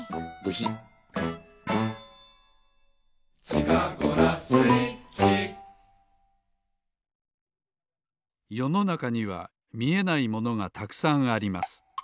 「地下ゴラスイッチ」よのなかにはみえないものがたくさんあります。